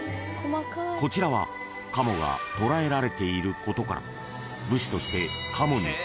［こちらは鴨が捕らえられていることから武士として］